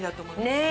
ねえ。